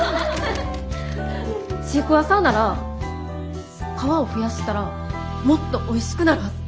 シークワーサーなら皮を増やしたらもっとおいしくなるはず。